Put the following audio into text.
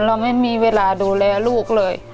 เราไม่มีเวลาดูแลลูกเลย